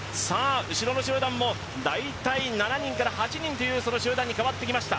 後ろの集団も大体７人から８人という集団に変わってきました。